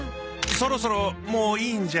そろそろもういいんじゃ。